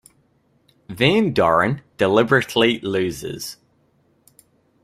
Van Doren deliberately loses.